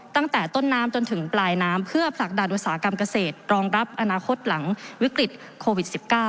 ตั้งแต่ต้นน้ำจนถึงปลายน้ำเพื่อผลักดันอุตสาหกรรมเกษตรรองรับอนาคตหลังวิกฤตโควิด๑๙